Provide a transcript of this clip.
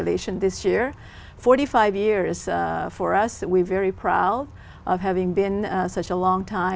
đây không phải là một gặp mặt đầu tiên của ông ấy